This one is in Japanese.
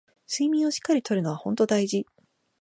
睡眠をしっかり取るのはほんと大事